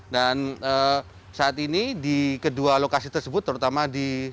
dan saat ini di kedua lokasi tersebut terutama di